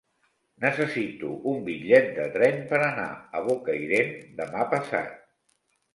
Necessito un bitllet de tren per anar a Bocairent demà passat.